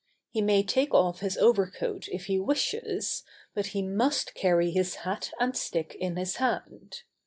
He may take off his overcoat if he wishes, but he must carry his hat and stick in his hand.